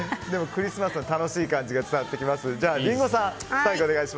クリスマスの楽しい感じが伝わってきます。